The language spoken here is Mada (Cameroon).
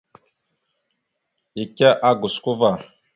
Ike a gosko ava.